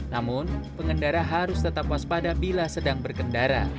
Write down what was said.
namun pengendara harus tetap waspada bila sedang berkendara